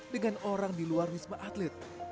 dengan orang di luar wisma atlet